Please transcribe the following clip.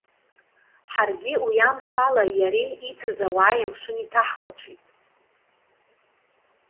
Ҳаргьы, уи амшала иареи ицыз ауааи амшын иҭаҳхәаҽит.